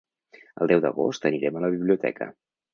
El deu d'agost anirem a la biblioteca.